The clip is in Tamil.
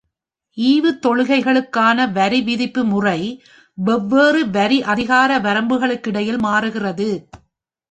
ஈவுத்தொகைகளுக்கான வரி விதிப்பு முறை, வெவ்வேறு வரி அதிகார வரம்புகளுக்கிடையில் மாறுகிறது.